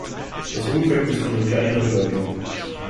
Das Umfeld ist von entscheidender Bedeutung.